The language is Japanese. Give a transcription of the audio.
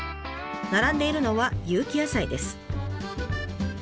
並んでいるのは有機野菜です。